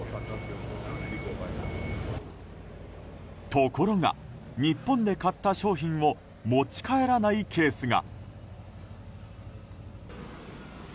ところが日本で買った商品を持ち帰らないケースが。